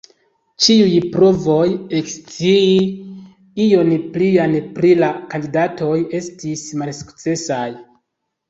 Ĉiuj provoj ekscii ion plian pri la kandidatoj estis malsukcesaj.